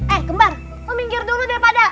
eh kembar mau minggir dulu daripada